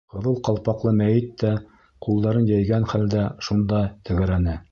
Ҡыҙыл ҡалпаҡлы мәйет тә ҡулдарын йәйгән хәлдә шунда тәгәрәне.